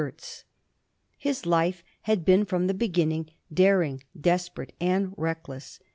JOHN PORTEOUS. 39 His life had been from the beginning daring, desperate, and reckless.